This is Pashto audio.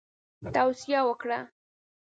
توصیه وکړه.